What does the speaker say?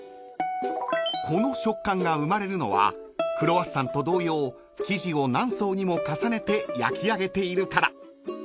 ［この食感が生まれるのはクロワッサンと同様生地を何層にも重ねて焼き上げているから］